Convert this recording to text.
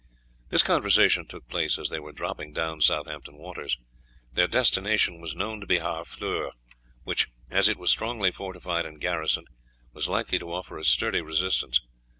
This conversation took place as they were dropping down Southampton waters. Their destination was known to be Harfleur, which, as it was strongly fortified and garrisoned, was like to offer a sturdy resistance.